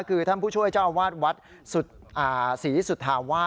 คือท่านผู้ช่วยเจ้าอาวาสวัดศรีสุธาวาส